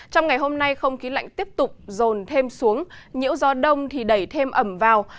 trong ngày hôm nay không khí lạnh tiếp tục rồn thêm xuống nhiễu gió đông thì đẩy thêm ẩm vào